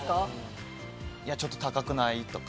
ちょっと高くない？とか。